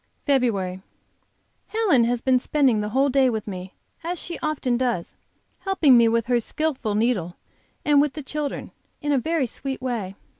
FEBRUARY. Helen has been spending the whole day with me, as she often does, helping me with her skillful needle, and with the children, in a very sweet way.